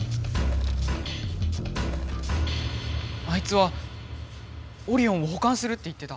あいつはオリオンをほかんするって言ってた。